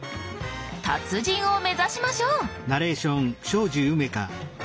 達人を目指しましょう！